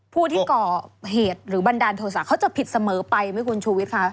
ผู้ที่ก่อเหตุหรือบันดาลโทษะเขาจะผิดเสมอไปไหมคุณชูวิทย์คะ